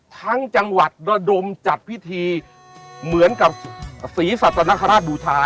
ทั้งจังหวัดระดมจัดพิธีเหมือนกับศรีสัตนคราชบูชา